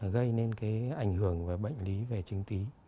gây nên cái ảnh hưởng về bệnh lý về chứng tí